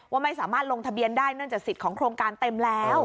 ว่าไม่สามารถลงทะเบียนได้เนื่องจากสิทธิ์ของโครงการเต็มแล้ว